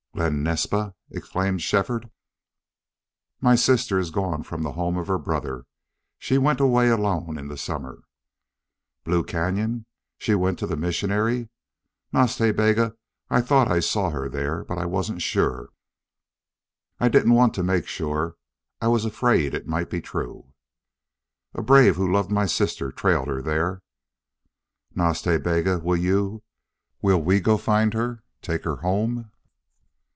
"Glen Naspa!" exclaimed Shefford. "My sister is gone from the home of her brother. She went away alone in the summer." "Blue Cañon! She went to the missionary. Nas Ta Bega, I thought I saw her there. But I wasn't sure. I didn't want to make sure. I was afraid it might be true." "A brave who loved my sister trailed her there." "Nas Ta Bega, will you will we go find her, take her home?"